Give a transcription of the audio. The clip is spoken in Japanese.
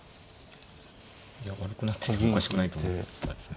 いや悪くなっててもおかしくないと思ったですね。